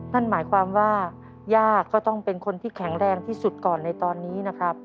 นั่นหมายความว่าย่าก็ต้องเป็นคนที่แข็งแรงที่สุดก่อนในตอนนี้นะครับ